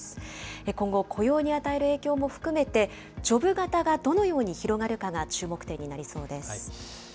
今後、雇用に与える影響も含めて、ジョブ型がどのように広がるかが注目点になりそうです。